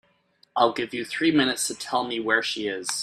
I'll give you three minutes to tell me where she is.